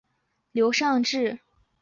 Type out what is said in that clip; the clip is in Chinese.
有兄刘尚质。